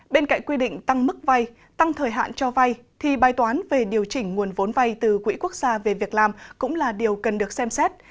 bên cạnh quy định tăng mức vay tăng thời hạn cho vay thì bài toán về điều chỉnh nguồn vốn vay từ quỹ quốc gia về việc làm cũng là điều cần được xem xét